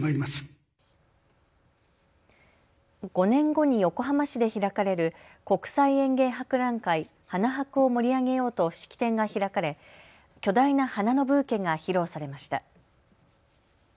５年後に横浜市で開かれる国際園芸博覧会、花博を盛り上げようと式典が開かれ巨大な花のブーケが披露されました。